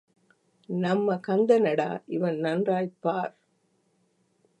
நம்ம கந்தனடா இவன் நன்றாய்ப் பார்.